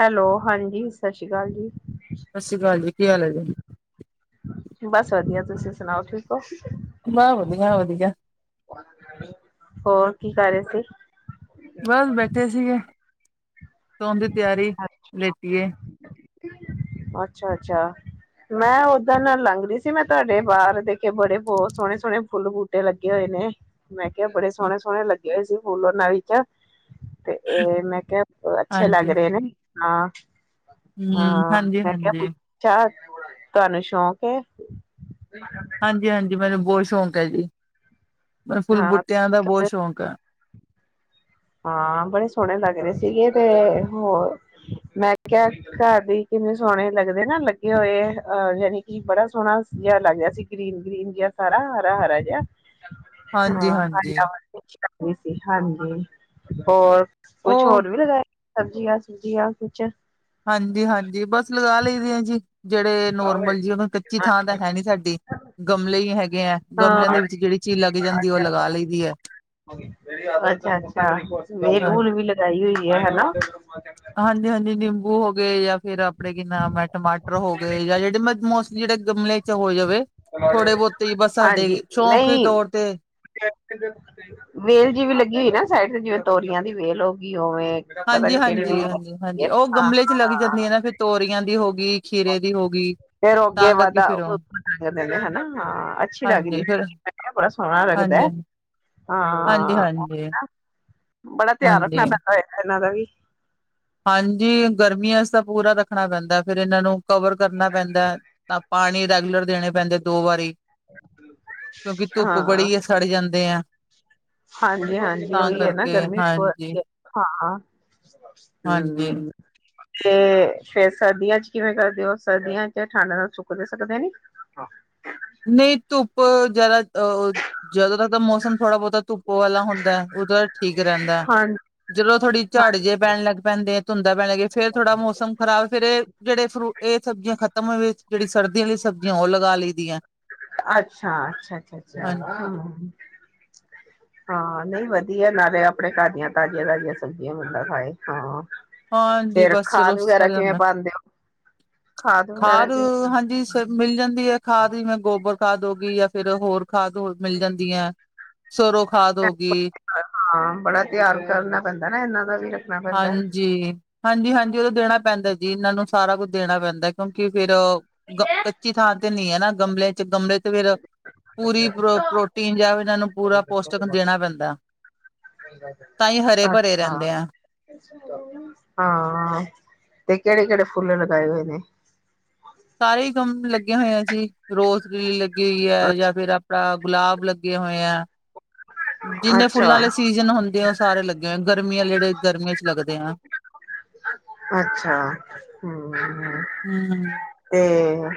Hello, ਹਾਂਜੀ ਸਸਰੀ ਕਾਲ ਜੀ। ਸਾਸਰੀ ਕਾਲ ਜੀ, ਕੀ ਹਾਲ ਹੈ ਜੀ? ਬਸ ਵਧੀਆ ਤੁਸੀਂ ਸੁਣਾਓ ਠੀਕ ਹੋ। ਮੈਂ ਵਧੀਆ-ਵਧੀਆ। ਹੋਰ ਕੀ ਕਰ ਰਹੇ ਸੀ? ਬਸ ਬੈਠੇ ਸੀਗੇ, ਸੌਣ ਦੀ ਤਿਆਰੀ, ਲੇਟੀਏ ਅੱਛਾ-ਅੱਛਾ। ਮੈਂ ਓਦਾਂ ਨਾਲ ਲੰਘ ਰਹੀ ਸੀ, ਮੈਂ ਤੁਹਾਡੇ ਬਾਹਰ ਦੇ ਕੇ ਬੜੇ ਬਹੁਤ ਸੋਹਣੇ-ਸੋਹਣੇ ਫੁੱਲ ਬੂਟੇ ਤੇ ਲੱਗੇ ਹੋਏ ਨੇ। ਮੈਂ ਕਿਹਾ ਬੜੇ ਸੋਹਣੇ-ਸੋਹਣੇ ਲੱਗੇ ਹੋਏ ਸੀ ਫੁੱਲ ਉਹਨਾਂ ਆਲੀ 'ਚ ਤੇ ਇਹ ਮੈਂ ਕਿਹਾ ਅੱਛੇ ਲੱਗ ਹਾਂਜੀ। ਰਹੇ ਨਾ ਹਾਂ, ਹੂੰ ਹਾਂ ਹਾਂਜੀ ਮੈਂ ਕਿਹਾ ਹਾਂਜੀ 'ਚ' ਤੁਹਾਨੂੰ ਸ਼ੌਂਕ ਏ [unintelligible] ਹਾਂਜੀ- ਹਾਂਜੀ ਮੈਨੂੰ ਬਹੁਤ ਸ਼ੌਕ ਹੈ ਜੀ। ਮੈਨੂੰ ਫੁੱਲ ਹਾਂ ਬੂਟਿਆਂ ਦਾ ਬਹੁਤ ਸ਼ੌਕ ਆ। ਹਾਂ ਬੜੇ ਸੋਹਣੇ ਲੱਗ ਰਹੇ ਸੀਗੇ ਤੇ ਹੋਰ, ਮੈਂ ਕਿਹਾ ਘਰ ਦੀ ਕਿੰਨੇ ਸੋਹਣੇ ਲੱਗਦੇ ਨਾ ਲੱਗੇ ਹੋਏ ਅਹ ਯਾਨੀ ਕਿ ਬੜਾ ਸੋਹਣਾ ਜਿਹਾ ਲੱਗ ਗਿਆ ਸੀ ਗ੍ਰੀਨ- ਗ੍ਰੀਨ ਜਿਹਾ ਸਾਰਾ ਹਰਾ- ਹਰਾ ਜਿਹਾ। ਹਾਂਜੀ ਹਾਂ ਆ ਹਾਂਜੀ [unintelligible] [unintelligible] ਹਾਂਜੀ, ਹੋਰ ਕੁਛ ਉਹ ਹੋਰ ਵੀ ਲਗਾਇਆ। ਸਬਜ਼ੀਆਂ, ਸੁਬਜ਼ੀਆਂ ਕੁਛ ਹਾਂਜੀ -ਹਾਂਜੀ, ਬਸ ਲਗਾ ਲਈਦੇ ਆ ਜੀ। ਜਿਹੜੇ ਹਾਂ ਨੋਰਮਲ ਜੀ ਉਹਨਾ ਕੱਚੀ ਥਾਂ ਤੇ ਹੈਨੀ ਸਾਡੀ। ਗਮਲੇ ਹੀ ਹੈਗੇ ਹੈ ਗਮਲਿਆਂ ਦੇ ਵਿੱਚ ਜਿਹੜੀ ਚੀਜ਼ ਲੱਗ ਜਾਂਦੀ ਉਹ ਲਗਾ ਲਈਦੀ ਆ। ਅੱਛਾ -ਅੱਛਾ, ਵੇਲ-ਬੂਲ ਵੀ ਲਗਾਈ ਹੋਈ ਆ ਹਨਾ। ਹਾਂਜੀ ਹਾਂਜੀ ਨਿੰਬੂ ਹੋ ਗਏ ਜਾਂ ਫਿਰ ਆਪਣੇ ਕੀ ਨਾਮ ਐ ਟਮਾਟਰ ਹੋ ਗਏ ਜਾਂ ਜਿਹੜੇ ਮਸ ਜਿਹੜੇ ਗਮਲੇ ਚ ਹੋ ਜਾਵੇ ਥੋੜੇ ਬਹੁਤੇ ਹੀ ਬਸ ਸਾਡੇ ਹਾਂਜੀ ਸ਼ੌਕ ਦੇ ਨਹੀਂ ਤੌਰ ਤੇ [unintelligible] ਵੇਲ ਜਿਵੇ ਲੱਗੀ ਹੋਈ ਨਾ ਸਾਈਡ ਤੇ ਜਿਵੇਂ ਤੋਰੀਆਂ ਦੀ ਵੇਲ ਹੋ ਗਈ ਉਵੇਂ। ਪਤਾ ਹਾਂਜੀ ਨੀ ਕਿਹੜੀ -ਹਾਂਜੀ, ਵੇਲ ਲੱਗੀ ਹਾਂਜੀ- ਹੋਈ ਹਾਂਜੀ ਹੈ ਉਹ ਹਾਂ ਗਮਲੇ ਚ ਲੱਗ ਜਾਂਦੀਆਂ ਨਾ ਫਿਰ ਤੋਰੀਆਂ ਦੀ ਹੋ ਗਈ ਖੀਰੇ ਦੀ ਹੋ ਗਈ। ਫੇਰ ਓ ਅੱਗੇ ਤਾਂ ਕਰਕੇ ਵੱਧਦਾ, ਫਿਰ ਉਹ ਹਨਾ ਹਾਂ ਅੱਛੀ ਲੱਗਦੀ। ਹਾਂਜੀ ਫਿਰ ਏਹ ਬੜਾ ਸੋਹਣਾ ਲੱਗਦਾ। ਹਾਂਜੀ- ਹਾਂ ਹਾਂਜੀ। ਬੜਾ ਧਿਆਨ ਰੱਖਣਾ ਹਾਂਜੀ ਪੈਂਦਾ ਏ, ਇਹਨਾਂ ਦਾ ਵੀ ਹਾਂਜੀ, ਗਰਮੀਆਂ 'ਚ' ਤਾਂ ਪੂਰਾ ਰੱਖਣਾ ਪੈਂਦਾ, ਫਿਰ ਇਹਨਾਂ ਨੂੰ ਕਵਰ ਕਰਨਾ ਪੈਂਦਾ। ਤਾਂ ਪਾਣੀ ਰੈਗੂਲਰ ਦੇਣੇ ਪੈਂਦੇ ਦੋ ਵਾਰੀ ਕਿਉਂਕਿ ਧੁੱਪ ਬੜੀ ਏ। ਸੜ ਜਾਂਦੇ ਆ। ਹਾਂਜੀ-ਹਾਂਜੀ, ਤਾਂ ਉਹੀ ਆ ਨਾ ਕਰਕੇ ਗਰਮੀ ਹਾਂਜੀ। ਵਾਲੀ ਏ, ਹਾਂ-ਹਮ ਹਾਂਜੀ, ਤੇ ਫੇਰ ਸਰਦੀਆਂ 'ਚ'ਕਿਵੇਂ ਕਰਦੇ ਓ ਸਰਦੀਆਂ 'ਚ' ਠੰਡ ਨਾਲ ਸੁੱਕਦੇ- ਸਕਦੇ ਨੀ? ਨਹੀਂ ਧੁੱਪ ਜਿਆਦਾਂ ਅਹ ਜਦੋਂ ਤੱਕ ਤਾਂ ਮੌਸਮ ਥੋੜਾ ਬਹੁਤਾ ਧੁੱਪ ਵਾਲਾ ਹੁੰਦਾ, ਉਹਦਾ ਠੀਕ ਰਹਿੰਦਾ। ਹਾਂ ਜਦੋਂ ਥੋੜੀ ਹਾਂ ਝੜ ਜੇ ਪੈਣ ਲੱਗ ਪੈਂਦੇ ਆ ਧੁੰਦਾ ਪੈਣ ਲੱਗ ਫਿਰ ਥੋੜਾ ਮੌਸਮ ਖਰਾਬ ਫੇਰ ਇਹ ਜਿਹੜੇ ਫਰੂਟ ਇਹ ਸਬਜ਼ੀਆਂ ਖਤਮ ਹੋ, ਜਿਹੜੀ ਸਰਦੀਆਂ ਆਲੀ ਸਬਜ਼ੀਆਂ ਉਹ ਲਗਾ ਲਈ ਦੀਆਂ ਅੱਛਾ-ਅੱਛਾ-ਅੱਛਾ-ਅੱਛਾ, ਹਾਂਜੀ, ਅ-ਅ ਹਾਂ, ਨਹੀਂ ਵਧੀਆ ਨਾਲੇ ਆਪਣੇ ਘਰ ਦੀਆਂ ਤਾਜ਼ੀਆਂ- ਤਾਜ਼ੀਆਂ ਸਬਜ਼ੀਆਂ ਬੰਦਾ ਖਾਏ ਹਾਂ। ਹਾਂਜੀ, ਫੇਰ ਬਸ ਚਲੋ ਖਾਦ ਵਗੈਰਾ ਸਰ ਕਿਵੇਂ ਜਾਂਦਾ। ਪਾਉਂਦੇ ਹੋ ਵਗੈਰਾ ਖਾਦ ਦੇ ਹਾਂਜੀ, ਸਰ ਮਿਲ ਜਾਂਦੀ ਏ ਖਾਦ ਜਿਵੇਂ, ਗੋਬਰ ਖਾਦ ਹੋ ਗੀ ਜਾਂ ਫਿਰ ਹੋਰ ਖਾਦ ਹੋਰ ਮਿਲ ਜਾਂਦੀ ਆ। ਸਰੋਂ ਖਾਦ ਹੋ ਗਈ। ਹਾਂ ਬੜਾ ਧਿਆਨ ਕਰਨਾ ਪੈਂਦਾ ਨਾ ਇਹਨਾਂ ਦਾ ਫਿਰ ਹਾਂਜੀ-ਹਾਂਜੀ-ਹਾਂਜੀ ਉਹਦੋਂ ਦੇਣਾ ਪੈਂਦਾ ਜੀ ਇਹਨਾਂ ਨੂੰ ਸਾਰਾ ਕੁੱਝ ਦੇਣਾ ਪੈਂਦਾ। ਕਿਉਂਕਿ ਫਿਰ ਗਮ ਕੱਚੀ ਥਾਂ ਤੇ ਨੀ ਏ ਨਾ ਗਮਲੇ 'ਚ' ਗਮਲੇ ਤੇ ਫਿਰ ਪੂਰੀ ਪ੍ਰੋ- ਪ੍ਰੋਟੀਨ ਜਾਂ ਇਹਨਾਂ ਨੂੰ ਪੂਰਾ ਪੋਸਟਿਕ ਦੇਣਾ ਪੈਂਦਾ। ਤਾਂਈ ਹਰੇ -ਭਰੇ ਅੱਛਾ ਰਹਿੰਦੇ ਆ। ਹਾਂ, ਤੇ ਕਿਹੜੇ-ਕਿਹੜੇ ਫੁੱਲ ਲਗਾਏ ਹੋਏੇ ਨੇ? ਸਾਰੇ ਈ ਕੰਮ ਲੱਗੇ ਹੋਏ ਜੀ ਰੋਜ਼ਲੀ ਲੱਗੀ ਹੋਈ ਅੱਛਾ ਐ ਜਾਂ ਫਿਰ ਆ ਗੁਲਾਬ ਲੱਗੇ ਹੋਏ ਆ, ਜਿੰਨੇ ਫੁੱਲਾ ਅੱਛਾ ਆਲੇ ਸੀ ਸੀਜ਼ਨ ਹੁੰਦੇ ਆ ਉਹ ਸਾਰੇ ਲੱਗੇ ਹੋਏ ਗਰਮੀਆਂ ਜਿਹੜੇ ਗਰਮੀਆਂ 'ਚ' ਲੱਗਦੇ ਆ। ਅੱਛਾ, ਹੂੰ-ਹੂੰ। ਹੂੰ-ਹੂੰ ਤੇ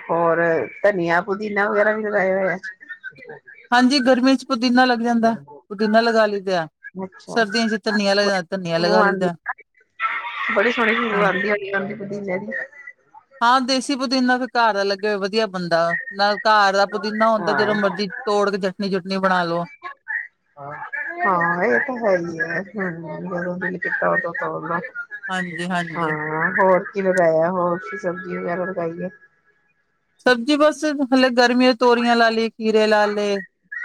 ਹੋਰ ਧਨੀਆ, ਪੁਦੀਨਾ ਵਗੈਰਾ ਵੀ ਲਗਾਇਆ ਹੋਇਆ? ਹਾਂਜੀ, ਗਰਮੀਆਂ 'ਚ' ਪੁਦੀਨਾ ਲੱਗ ਜਾਂਦਾ ਪੁਦੀਨਾ ਲਗਾ ਲਈ ਦਾ। ਅੱਛਾ, ਬੜੀ ਖੁਸ਼ਬੂ ਲਗਾ ਆਉਂਦੀ, ਲਈਦਾ ਬੜੀ ਸੋਹਣੀ ਖੁਸ਼ਬੂ ਹਾਂਜੀ ਆਉਂਦੀ ਹੋਣੀ। [unintelligible] ਪੁਦੀਨੇ ਦੀ ਹਾਂ, ਦੇਸੀ ਪੁੁਦੀਨਾ ਤਾਂ ਘਰ ਦਾ ਲੱਗਿਆ ਹੋਵੇ ਵਧੀਆ ਬਣਦਾ। ਨਾਲ ਘਰ ਦਾ ਪੁਦੀਨਾ ਹੁੰਦਾ ਜਦੋਂ ਹਾਂ। ਮਰਜ਼ੀ ਤੋੜ ਕੇ ਚਟਣੀ-ਚੁਟਣੀ ਬਣਾ ਲੋ। [unintelligible] ਹਾਂ ਇਹ ਤਾਂ ਹੈ ਈ ਐ। ਹੂੰ, ਜਦੋਂ ਦਿਲ ਕੀਤਾ ਉਦੋਂ ਤੋੜ ਲਵੋ। ਹਾਂਜੀ ਹਾਂਜੀ ਹਾਂ ਹੋਰ ਕੀ ਲਗਾਇਆ, ਹੋਰ ਕੀ ਸਬਜ਼ੀ ਵਗੈਰਾ ਲਗਾਈ ਐ? ਸਬਜ਼ੀ ਬਸ ਹਲੇ ਗਰਮੀ ਤੋਰੀਆਂ ਲਾ ਲਏ, ਖੀਰੇ ਲਾ ਲਏ,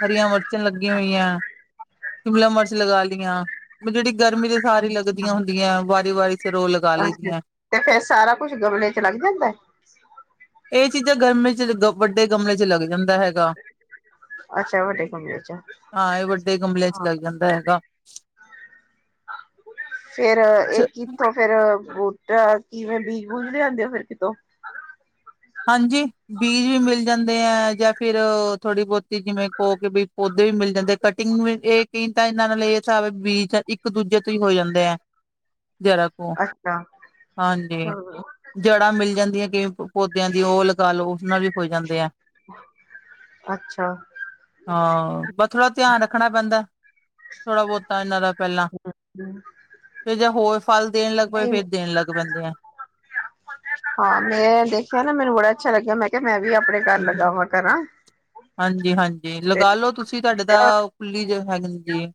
ਹਰੀਆਂ ਮਿਰਚਾਂ ਲੱਗੀਆਂ ਹੋਈਆਂ। ਸ਼ਿਮਲਾ ਮਿਰਚ ਲਗਾ ਲਈਆਂ ਵੀ ਜਿਹੜੀ ਗਰਮੀ ਤੇ ਸਾਰੀ ਲਗਦੀਆਂ ਹੁੰਦੀਆਂ ਵਾਰੀ-ਵਾਰੀ ਫਿਰ ਉਹ ਲਗਾ ਲਈ ਅੱਛਾਜੀ, ਦੀਆਂ ਤੇ ਫੇਰ ਸਾਰਾ ਕੁੱਛ ਗਮਲੇ ਲੱਗ ਜਾਂਦਾ? ਇਹ ਚੀਜ਼ਾਂ ਗਰਮੀ 'ਚ' ਵੱਡੇ ਗਮਲੇ 'ਚ' ਲੱਗ ਜਾਂਦਾ ਹੈਗਾ। ਅੱਛਾ, ਵੱਡੇ ਗਮਲੇ 'ਚ' ਹਾਂ, ਇਹ ਵੱਡੇ ਗਮਲਿਆਂ 'ਚ' ਲੱਗ ਜਾਂਦਾ ਹੈਗਾ। ਫੇਰ ਇਹ ਕਿੱਥੋਂ? ਫਿਰ ਬੂਟਾ ਕਿਵੇਂ ਬੀਜ- ਬੂਜ ਲਿਆਂਦੇ ਆ ਫਿਰ ਕਿਤੋਂ ਹਾਂਜੀ, ਬੀਜ ਵੀ ਮਿਲ ਜਾਂਦੇ ਆ ਜਾਂ ਫਿਰ ਥੋੜ੍ਹੀ ਬਹੁਤ ਜਿਵੇਂ ਕਹੁ ਵੀ ਪੌਦੇ ਵੀ ਮਿਲ ਜਾਂਦੇ ਕਟਿੰਗ ਵੀ ਇਹ ਕਈ ਤਾਂ ਇਹਨਾਂ ਨਾਲ਼ ਇਹ ਤਾਵੇਂ ਬੀਜ਼ ਇੱਕ ਦੂਜੇ ਤੋਂ ਹੀ ਹੋ ਜਾਂਦੇ ਹੈ। ਜ਼ਰਾ ਹਾ ਅੱਛਾ ਹਾਂਜੀ ਹੂੰ ਜੜ੍ਹਾਂ ਮਿਲ ਜਾਂਦੀਆਂ ਕਿਵੇਂ ਪੌਦਿਆਂ ਦੀ ਉਹ ਲਗਾ ਲਓ ਉਹੇਦ ਨਾਲ਼ ਵੀ ਹੋ ਜਾਂਦੇ ਆ। ਅੱਛਾ ਹਾਂ ਬਸ ਥੋੜ੍ਹਾ ਧਿਆਨ ਰੱਖਣਾ ਪੈਂਦਾ। ਥੋੜ੍ਹਾ ਬਹੁਤਾ ਇਹਨਾਂ ਦਾ ਪਹਿਲਾਂ [inaudible] ਤੇ ਜੇ ਹੋਰ ਫ਼ਲ ਦੇਣ ਲੱਗ ਪਏ ਨਹੀਂ ਫ਼ੇਰ ਦੇਣ ਲੱਗ ਪੈਂਦੇ ਆ। ਹਾਂ ਮੈਂ ਦੇਖਿਆਂ ਨਾ ਮੈਂਨੂੰ ਬੜਾ ਅੱਛਾ ਲੱਗਿਆਂ ਮੈਂ ਕਿਹਾ ਮੈਂ ਵੀ ਆਪਣੇ ਘਰ ਲਗਾਵਾਂ ਕਰਾਂ। ਹਾਂਜੀ ਹਾਂਜੀ ਤੇ ਲਗਾ ਲੋ ਤੁਸੀਂ ਤੁਹਾਡੇ ਤਾਂ ਖੁੱਲ੍ਹੀ ਜਗ੍ਹਾ ਹੁੰਦੀ ਐ।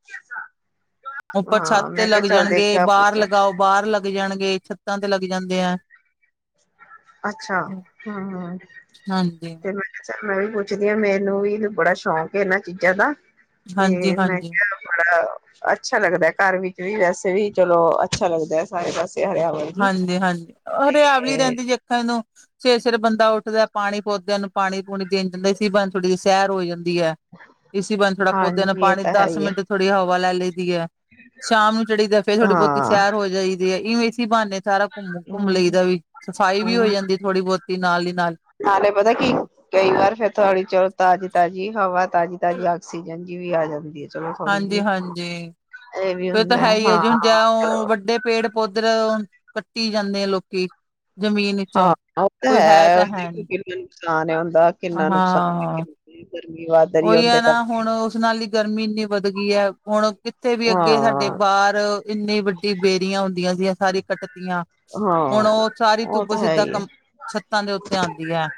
ਉੱਪਰ ਛੱਤ ਹਾਂ ਤੇ ਮੈਂ ਲੱਗ ਕਿਹਾ ਚੱਲ ਜਾਣਗੇ ਦੇਖਿਆ ਬਾਹਰ ਪੁੱਛਾਂ ਲਗਾਓ। ਬਾਹਰ ਲੱਗ ਜਾਣਗੇ ਛੱਤਾਂ ਤੇ ਲੱਗ ਜਾਂਦੇ ਐ। ਅੱਛਾ ਹਾ ਹਾਂਜੀ, ਤੇ ਚਲ ਮੈਂ ਵੀ ਪੁੱਛਦੀ ਆ ਮੈਂਨੂੰ ਵੀ ਬੜਾ ਸ਼ੌਕ ਏ ਇਹਨਾਂ ਚੀਜ਼ਾਂ ਦਾ ਹਾਂਜੀ, ਤੇ ਹਾਂਜੀ, ਮੈਂ ਹਾਂਜੀ, ਕਿਹਾ ਬੜਾ ਅੱਛਾ ਲੱਗਦਾ ਘਰ ਵਿੱਚ ਵੀ ਵੈਸੇ ਵੀ ਚਲੋ ਅੱਛਾ ਲੱਗਦਾ ਐ। ਸਾਰੇ ਪਾਸੇ ਹਰਿਆਵ ਹਾਂਜੀ ਹਾਂਜੀ ਹਰਿਆਵਲੀ ਰਹਿੰਦੀ ਦੇਖਣ ਨੂੰ ਸਵੇਰੇ ਸਵੇਰੇ ਬੰਦਾ ਉੱਠਦਾ ਪਾਣੀ ਪੌਦਿਆਂ ਨੂੰ ਪਾਣੀ ਪੂਣੀ ਦੇਣ ਜਾਂਦਾ। ਇਸੀ ਬਾਨੇ ਥੋੜ੍ਹੀ ਜਹੀ ਸੈਰ ਹੋ ਜਾਂਦੀ ਐ। ਇਸੀ ਬਾਨੇ ਥੋੜ੍ਹਾ ਪੌਦਿਆਂ ਦਾ ਹਾਂਜੀ ਇਹ ਪਾਣੀ ਤਾਂ ਹੈ ਦਸ ਹੀ ਹੈ ਮਿੰਟ ਥੋੜ੍ਹੀ ਹਵਾ ਲੈ ਲਈਦੀ ਐ। ਸ਼ਾਮ ਨੂੰ ਚੜੀ ਦਾ ਫ਼ੇਰ ਥੋੜ੍ਹੀ ਬਹੁਤੀ ਹਾਂ ਸੈਰ ਹੋ ਜਾਈਦੀ ਐ। ਇਵੇਂ ਬਾਨੇ ਸਾਰਾ ਘੁੰਮ ਘੁੰਮ ਲਈ ਦਾ ਹਮ ਵੀ ਸਫ਼ਾਈ ਵੀ ਹੋ ਜਾਂਦੀ ਥੋੜ੍ਹੀ ਬਹੁਤੀ ਨਾਲ਼ ਈ ਨਾਲ਼। ਨਾਲ਼ੇ ਪਤਾ ਕੀ ਕਈ ਵਾਰ ਫ਼ੇਰ ਥੋੜੀ ਚਲੋ ਤਾਜ਼ੀ ਤਾਜ਼ੀ ਹਵਾ ਤਾਜ਼ੀ ਤਾਜ਼ੀ ਆਕਸੀਜਨ ਵੀ ਆ ਜਾਂਦੀ ਏ। ਹਾਂਜੀ ਹਾਂਜੀ ਵੀ ਏ ਤੇ ਹੁੰਦਾ ਹੈ ਈ ਆ ਹਾਂ ਜੀ ਹੁਣ ਜ ਉਹ ਵੱਡੇ ਪੇੜ ਪੌਧਰ ਕੱਟੀ ਜਾਂਦੇ ਆ ਲੋਕੀਂ। ਜ਼ਮੀਨ ਹਾਂ ਚੋਂ ਉਹ ਤਾਂ ਕੋਈ ਹੈ ਤਾਂ ਹੈ ਦੇਖੋ ਨੀ ਕਿੰਨਾ ਨੁਕਸਾਨ ਆ ਹੁੰਦਾ ਕਿੰਨਾ ਨੁਕਸਾਨ ਹਾਂ ਗਰਮੀ ਵੱਧ ਰਹੀ ਹੈ ਉਹੀ ਐ ਉਹਦੇ ਨਾ ਕਰਕੇ ਹੁਣ ਉਸ ਨਾਲ਼ ਹੀ ਗਰਮੀ ਇੰਨੀ ਵੱਧ ਗਈ ਐ। ਹੁਣ ਕਿੱਥੇ ਵੀ ਅੱਗੇ ਸਾਡੇ ਹਾਂ ਬਾਹਰ ਇੰਨੀ ਵੱਡੀ ਬੇਰੀਆਂ ਹੁੰਦੀਆਂ ਸੀ। ਇਹ ਸਾਰੀ ਕੱਟਤੀਆਂ। ਹੁਣ ਹਾਂ ਉਹ ਸਾਰੀ ਉਹ ਧੁੱਪ ਤਾਂ ਹੈ ਸਿੱਧਾ ਹੀ ਹੈ ਕੰਮ ਛੱਤਾਂ ਦੇ ਉੱਤੇ ਆਂਦੀ ਐ।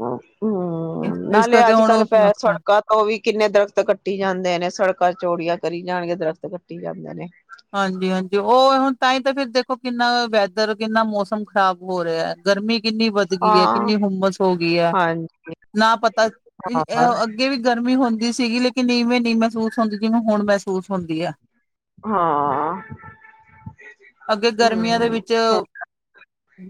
ਹੂੰ ਹੂੰ ਇਸ ਨਾਲ਼ੇ ਕਰਕੇ ਅੱਜ ਹੁਣ ਕੱਲ੍ਹ ਉਸ ਪੈ ਨੁਕਸਾਨ ਸੜਕਾਂ ਉਹ ਵੀ ਕਿੰਨੇ ਦਰਖ਼ਤ ਕੱਟੀ ਜਾਂਦੇ ਨੇ ਸੜਕਾਂ ਚੋੜੀਆਂ ਕਰੀ ਜਾਂਣਗੇ ਦਰਖ਼ਤ ਕੱਟੀ ਜਾਂਦੇ ਨੇ। ਹਾਂਜੀ ਹਾਂਜੀ ਉਹ ਹੁਣ ਤਾਂਹੀ ਤਾਂ ਫ਼ਿਰ ਦੇਖੋਂ ਕਿੰਨਾ ਵੈਦਰ ਕਿੰਨਾ ਮੌਸਮ ਖ਼ਰਾਬ ਹੋ ਰਿਹਾ ਐ। ਗਰਮੀ ਕਿੰਨੀ ਵੱਧ ਗਈ ਏ ਹਾਂ ਕਿੰਨੀ ਹੁੰਮਸ ਹੋ ਗਈ ਐ। ਹਾਂਜੀ ਨਾ ਪਤਾ ਇਹ ਹਾਂ ਉਹ ਅੱਗੇ ਵੀ ਗਰਮੀ ਹੁੰਦੀ ਸੀਗੀ ਲੇਕਿਨ ਇਵੇਂ ਨੀ ਮਹਿਸੂਸ ਹੁੰਦੀ ਜਿਵੇਂ ਹੁਣ ਮਹਿਸੂਸ ਹੁੰਦੀ ਆ। ਹਾਂ ਅੱਗੇ ਗਰਮੀਆਂ ਦੇ ਹਮ ਵਿੱਚ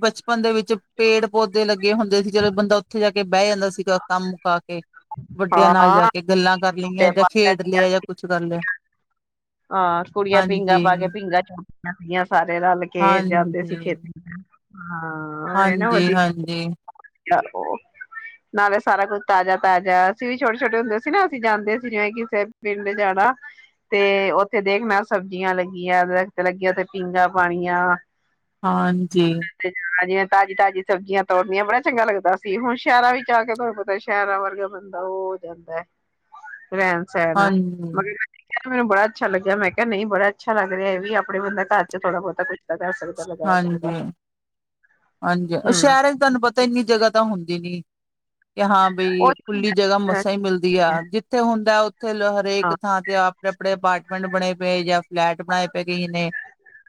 ਬਚਪਨ ਦੇ ਵਿੱਚ ਪੇੜ ਪੌਦੇ ਲੱਗੇ ਹੁੰਦੇ ਸੀ ਚਲ ਬੰਦਾ ਉੱਥੇ ਜਾ ਕੇ ਬਹਿ ਜਾਂਦਾ ਸੀਗ ਕੰਮ ਮੁਕਾ ਕੇ। ਵੱਡਿਆਂ ਨਾਲ਼ ਜਾ ਹਾਂ ਕੇ ਗੱਲਾਂ ਕਰ ਲਈਆਂ ਝੂਟੇ ਜਾਂ ਪਾਉਂਦੇ ਖੇਡ ਲਿਆ ਜਾਂ ਕੁੱਛ ਕਰ ਲਿਆ। ਆ ਕੁੜੀਆਂ ਪੀਂਘਾਂ ਹਾਂਜੀ ਪਾ ਕੇ ਪੀਂਘਾਂ ਝੂਟਦੀਆਂ ਸੀਗੀਆ ਸਾਰੇ ਰਲ ਕੇ ਜਾਂਦੇ ਸੀ। ਹਾਂਜੀ ਖੇਤ ਹਾਂ ਓਵੇਂ ਹਾਂਜੀ ਵਧੀ ਹਾਂਜੀ ਨਾਲ਼ ਓ ਨਾਲ਼ੇ ਸਾਰਾ ਕੁੱਝ ਤਾਜ਼ਾ ਤਾਜ਼ਾ ਅਸੀਂ ਵੀ ਛੋਟੇ ਛੋਟੇ ਹੁੰਦੇ ਸੀ ਨਾ ਅਸੀਂ ਜਾਂਦੇ ਸੀਗੇ ਜਿਵੇਂ ਕਿਸੇ ਪਿੰਡ ਜਾਣਾ ਤੇ ਉੱਥੇ ਦੇਖਣਾ ਸਬਜ਼ੀਆਂ ਲੱਗੀਆਂ ਦਰਖ਼ਤ ਲੱਗੇ ਉਥੇ ਪੀਂਗਾ ਪਾਣੀਆ। ਹਾਂਜੀ। ਤੇ ਜਿਵੇਂ ਤਾਜ਼ੀ ਤਾਜ਼ੀ ਸਬਜ਼ੀਆਂ ਤੋੜਨੀਆਂ ਬੜਾ ਚੰਗਾ ਲੱਗਦਾ ਸੀ ਹੁਣ ਸ਼ਹਿਰਾਂ ਵਿੱਚ ਆ ਕੇ ਤੁਹਾਨੂੰ ਪਤਾ ਸ਼ਹਿਰਾਂ ਵਰਗਾ ਬੰਦਾ ਉਹ ਹੋ ਜਾਂਦਾ ਰਹਿਣ ਸਹਿਣ ਹਾਂਜੀ ਮਗਰ ਮੈਨੂੰ ਬੜਾ ਅੱਛਾ ਲੱਗਿਆ। ਮੈਂ ਕਿਹਾ ਨਹੀਂ ਬੜਾ ਅੱਛਾ ਲੱਗ ਰਿਹਾ ਇਹ ਵੀ ਆਪਣੇ ਵਰਗਾ ਘਰ ਚ ਥੋੜਾ ਬਹੁਤਾ ਕੁਛ ਸ ਗ [unintelligible] ਹੂ ਹਾਂਜੀ ਉਹ ਹਮ ਸ਼ਹਿਰਾਂ ਚ ਤੁਹਾਨੂੰ ਪਤਾ ਇੰਨੀ ਜਗ੍ਹਾ ਤਾਂ ਹੁੰਦੀ ਨੀ। ਕਿ ਹਾਂ ਬਈ ਉਹੀ ਖੁੱਲੀ ਜਗ੍ਹਾ ਹਾਂ ਮਸਾਂ ਹੀ ਮਿਲਦੀ ਆ ਜਿੱਥੇ ਹੁੰਦਾ ਉੱਥੇ ਹਰੇਕ ਹਾਂ ਥਾਂ ਤੇ ਆਪ ਆਪਣੇ -ਆਪਣੇ ਅਪਾਰਟਮੈਂਟ ਬਣੇ ਪਏ ਜਾਂ ਫਲੈਟ ਬਣਾਏ ਪਏ ਕਈਆਂ ਨੇ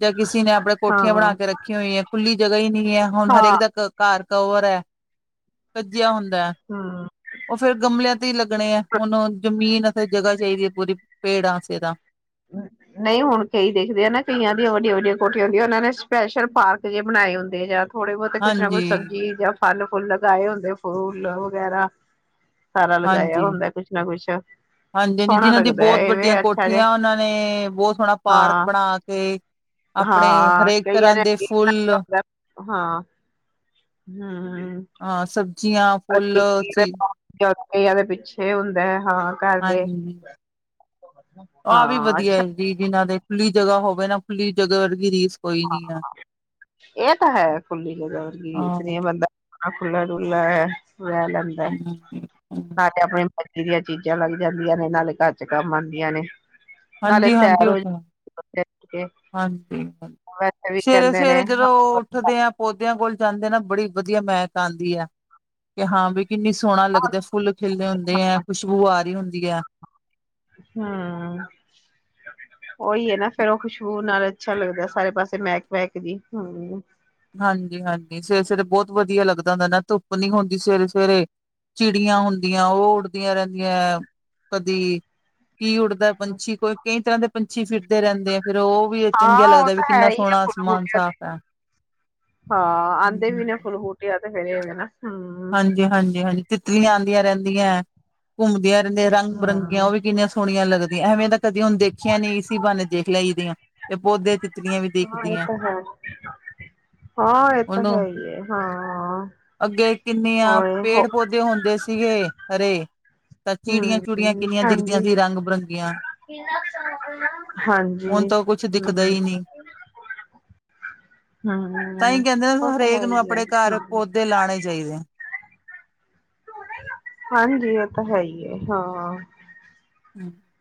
ਜਾਂ ਕਿਸੇ ਨੇ ਆਪਣੇ ਕੋਠੀਆਂ ਬਣਾ ਕੇ ਹਾਂ ਰੱਖੀਆਂ ਹੋਈਆਂ ਖੁੱਲੀ ਜਗ੍ਹਾ ਹੀ ਨੀ। ਹੁਣ ਹਰੇਕ ਦਾ ਘਰ ਕਵਰ ਹੈ ਕੱਜਿਆ ਹੁੰਦਾ ਹੈ। ਹਾਂ। ਉਹ ਫਿਰ ਗਮਲਿਆਂ ਤੇ ਹੀ ਲੱਗਣੇ ਆ, ਉਹਨੂੰ ਜ਼ਮੀਨ ਅਤੇ ਜਗ੍ਹਾ ਚਾਹੀਦੀ ਹੈ ਪੂਰੀ ਪੇੜ ਵਾਸਤੇ ਤਾ। ਹ [inaudible] ਨਹੀਂ ਹੁਣ ਕਈ ਦੇਖਦੇ ਆ ਨਾ ਕਈਆਂ ਦੀਆਂ ਵੱਡੀਆਂ- ਵੱਡੀਆਂ ਕੋਠੀਆਂ ਹੁੰਦੀਆਂ। ਉਹਨਾਂ ਨੇ ਸਪੈਸ਼ਲ ਪਾਰਕ ਜੇ ਬਣਾਏ ਹੁੰਦੇ ਆ ਜਾਂ। ਥੋੜੇ ਬਹੁਤੇ ਕੁਛ ਨਾ ਹਾਂਜੀ ਕੁਛ ਸਬਜ਼ੀ ਜਾਂ ਫਲ, ਫੁੱਲ ਲਗਾਏ ਹੁੰਦੇ ਆ ਫੂਲ ਵਗੈਰਾ। ਸਾਰਾ ਲਗਾਇਆ ਹਾਂਜੀ ਹੁੰਦਾ ਕੁਛ ਨਾ ਕੁਛ ਹਾਂਜੀ ਹਾਂਜੀ ਸੋਹਣਾ ਜਿਨ੍ਹਾਂ ਦੀ ਲੱਗਦਾ ਬਹੁਤ ਵੱਡੀਆਂ ਇਹਵੇਂ ਅੱਛਾ ਜਿਹਾ। ਕੋਠੀਆਂ ਉਹਨਾਂ ਨੇ ਬਹੁਤ ਸੋਹਣਾ ਪਾਰਕ ਬਣਾ ਕੇ। ਆਪਣੇ ਹਾਂ ਹਰੇਕ ਤਰ੍ਹਾਂ ਦੇ ਫੁੱਲ [unintelligible] ਹਾਂ। ਹਾਂ। ਹਾਂ ਸਬਜ਼ੀਆਂ। ਫੁੱਲ ਸੀ [unintelligible] ਦੇ ਪਿੱਛੇ ਹੁੰਦਾ ਹੈ ਹਾਂ ਘਰ ਦੇ। ਹਾਂਜੀ, ਆਹ ਵੀ ਹਾਂ ਵਧੀਆ ਅੱਛਾ ਹੈ ਜੀ, ਜਿਨਾਂ ਦੇ ਖੁੱਲੀ ਜਗ੍ਹਾ ਹੋਵੇ ਨਾ ਖੁੱਲੀ ਜਗ੍ਹਾ ਵਰਗੀ ਰੀਸ ਕੋਈ ਨੀ ਆ। ਇਹ ਤਾਂ ਹੈ, ਖੁੱਲੀ ਜਗ੍ਹਾ ਵਰਗੀ ਰੀਸ ਹਾਂ, ਨੀ ਬੰਦਾ। ਥਾਂ ਖੁੱਲਾ -ਡੁੱਲਾ [unintelligible] ਵ ਲ ਹਮ ਹ [unintelligible] ਨਾਲੇ ਆਪਣੀ ਮਰਜ਼ੀ ਦੀਆਂ ਚੀਜ਼ਾਂ ਲੱਗ ਜਾਂਦੀਆਂ ਨੇ ਨਾਲੇ ਘਰ ਚ ਕੰਮ ਆਉਂਦੀਆਂ ਨੇ। ਨਾਲੇ ਹਾਂਜੀ-ਹਾਂਜੀ ਸੈਰ ਉਹ ਹੋ ਤਾਂ ਜਾਂਦੀ ਸਵੇਰੇ ਉੱਠ ਕੇ। ਹਾਂਜੀ, ਹਾਂ ਸਵੇਰੇ ਨੇ -ਸਵੇਰੇ ਜਦੋਂ ਉੱਠਦੇ ਆ ਪੌਦਿਆਂ ਕੋਲ ਜਾਂਦੇ ਆ ਨਾ ਬੜੀ ਵਧੀਆ ਮਹਿਕ ਆਉਂਦੀ ਹੈ। ਕਿ ਹਾਂ ਬਈ ਕਿੰਨੀ ਸੋਹਣਾ ਲੱਗਦਾ ਹਮ ਫੁੱਲ ਖਿਲੇ ਹੁੰਦੇ ਹੈ ਖੁਸ਼ਬੂ ਆ ਰਹੀ ਹੁੰਦੀ ਹੈ। ਹਮ। ਉਹੀ ਹੈ ਨਾ ਫੇਰ ਉਹ ਖੁਸ਼ਬੂ ਨਾਲ ਅੱਛਾ ਲੱਗਦਾ। ਸਾਰੇ ਪਾਸੇ ਮਹਿਕ- ਵਹਿਕ ਜੀ ਹਮ। ਹਾਂਜੀ -ਹਾਂਜੀ ਸਵੇਰੇ -ਸਵੇਰੇ ਬਹੁਤ ਵਧੀਆ ਲੱਗਦਾ ਹੁੰਦਾ ਨਾ ਧੁੱਪ ਨੀ ਹੁੰਦੀ ਸਵੇਰੇ -ਸਵੇਰੇ। ਚਿੜੀਆਂ ਹੁੰਦੀਆਂ ਉਹ ਉੱਡਦੀਆਂ ਰਹਿੰਦੀਆਂ ਕਦੀ ਕੀ ਉਡ ਦਾ ਪੰਛੀ, ਕਈ ਤਰ੍ਹਾਂ ਦੇ ਪੰਛੀ ਫਿਰਦੇ ਰਹਿੰਦੇ ਆ ਫਿਰ ਉਹ ਵੀ ਚੰਗਿਆ ਹਾਂ ਉਹ ਲੱਗਦਾ ਵੀ ਤਾਂ ਹੈ ਕਿੰਨਾ ਹੀ ਆ ਸੋਹਣਾ ਫੁੱਲ ਅਸਮਾਨ ਬੂਟਿਆਂ ਤੇ ਸਾਫ਼ ਹੈ। ਹਾਂ ਆਂਦੇ ਵੀ ਨਾ ਫੁੱਲ- ਬੂਟਿਆ ਤੇ ਫਿਰੇ ਨਾ। ਹਮ ਹਾਂਜੀ -ਹਾਂਜੀ -ਹਾਂਜੀ ਤਿੱਤਲੀਆਂ ਆਉਂਦੀਆਂ ਰਹਿੰਦੀਆਂ ਹੈ ਘੁੰਮਦੀਆਂ ਰਹਿੰਦੀਆਂ ਰੰਗ- ਬਿਰੰਗੀਆਂ ਹਮ ਉਹ ਵੀ ਕਿੰਨੀਆਂ ਸੋਹਣੀਆਂ ਲੱਗਦੀਆਂ ਐਵੇਂ ਤਾਂ ਕਦੀ ਹੁਣ ਦੇਖੀਆਂ ਨੀ ਸੀ ਇਸ ਬਹਾਨੇ ਦੇਖ ਲਈ ਦੀਆਂ ਤੇ ਪੌਦੇ ਚ ਹਾਂ ਇਹ ਤਾਂ ਹੈ। ਹਾਂ ਇਹ ਤਾਂ ਉਹਨੂੰ ਹੈ ਹੀ ਹੈ ਹਾਂ। ਅੱਗੇ ਕਿੰਨੀਆਂ ਹੋਰ ਹੋ ਪੇੜ ਪੌਦੇ ਹੁੰਦੇ ਸੀਗੇ ਹਰੇ। ਤਾਂ ਚਿੜੀਆਂ ਹਮ -ਚੁੜੀਆਂ ਕਿੰਨੀਆਂ ਦਿਖਦੀਆਂ ਹਾਂਜੀ ਸੀ ਰੰਗ- ਬਿਰੰਗੀਆਂ। ਹੁਣ ਹਾਂਜੀ ਤਾਂ ਕੁਛ ਦਿਖਦਾ ਹਮ। ਹੀ ਨਹੀਂ ਤਾਂ ਹਮ ਉਹ ਤਾਂ ਹੈ ਹੀ ਆ। ਬੂਟੇ ਲਾਣੇ ਚਾਹੀਦੇ ਨੇ। ਹਾਂਜੀ ਇਹ ਤਾਂ ਹੈ ਹੀ ਹੈ ਹਾਂ ਹਮ [inaudible]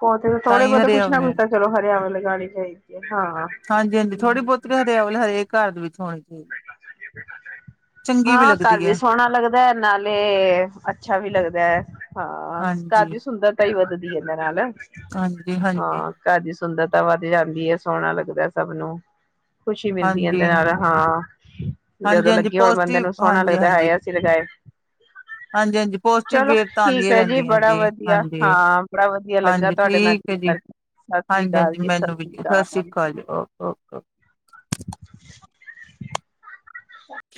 ਪੌਦੇ ਥੋੜੇ -ਬਹੁਤੇ ਕੁੱਛ ਨਾ ਕੁੱਛ ਤਾਂ ਚਲੋ ਹਰਿਆਵਾਲ ਲਗਾਉਣੀ ਚਾਹੀਦੀ ਹੈ ਹਾਂ। ਹਾਂਜੀ -ਹਾਂਜੀ ਥੋੜੀ ਹਮ ਬਹੁਤੀ ਹਰਿਆਵਲ ਹਰੇਕ ਘਰ ਦੇ ਵਿੱਚ ਹੋਣੀ ਚਾਹੀਦੀ ਬੈਠ ਚਾ ਬੈਠਾ ਚਾਹੀ [unintelligible] ਚੰਗੀ ਹਾਂ ਘਰ ਲੱਗਦੀ ਵੀ ਹੈ ਸੋਹਣਾ ਲੱਗਦਾ ਹੈ, ਨਾਲੇ ਅੱਛਾ ਵੀ ਲੱਗਦਾ ਐ। ਹਾਂ ਘਰ ਹਾਂਜੀ। ਦੀ ਸੁੰਦਰਤਾ ਈ ਵਧਦੀ ਐ ਇਹਨਾ ਨਾਲ। ਹਾਂਜੀ -ਹਾਂਜੀ। ਹਾਂ ਘਰ ਦੀ ਸੁੰਦਰਤਾ ਵੱਧ ਜਾਂਦੀ ਹੈ, ਸੋਹਣਾ ਲੱਗਦਾ ਸਭ ਨੂੰ। ਖੁਸ਼ੀ ਮਿਲਦੀ ਇਹਦੇ ਹਾਂਜੀ, ਨਾਲ ਹਾਂ ਜਦੋਂ ਹਾਂਜੀ-ਹਾਂਜੀ ਲੱਗੇ ਬੰਦੇ ਪੋਜ਼ਟਿਵ ਨੂੰ ਸੋਹਣਾ ਹਾਂਜੀ-ਹਾਂਜੀ। ਹੈ [unintelligible] ਹਾਂਜੀ-ਹਾਂਜੀ ਪੋਜ਼ਟਿਵ ਚਲੋ ਵੇਵ ਤਾਂ ਠੀਕ ਆਉਂਦੀਆਂ ਹੈ ਜੀ ਰਹਿੰਦੀਆਂ ਬੜਾ ਵਧੀਆ ਹਾਂਜੀ। ਹਾਂ ਬੜਾ ਵਧੀਆ ਲੱਗਾ ਤੁਹਾਡੇ ਨਾਲ ਹਾਂ [unintelligible] ਹਾਂਜੀ -ਹਾਂਜੀ, ਮੈਨੂੰ ਵੀ ਜੀ ਸਤਿ ਸ੍ਰੀ ਅਕਾਲ ਜੀ ਓ-ਓ ਓਕੇ [unintelligible]